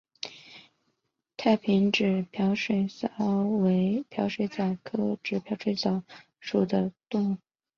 太平指镖水蚤为镖水蚤科指镖水蚤属的动物。